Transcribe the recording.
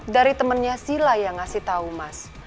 dari temennya sila yang ngasih tahu mas